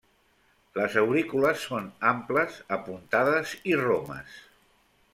Les aurícules són amples, apuntades i romes.